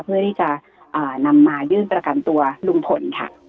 เพื่อที่จะนำมายื่นประกันตัวลุงพลค่ะ